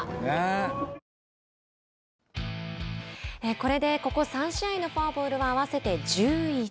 これで、ここ３試合のフォアボールは合わせて１１。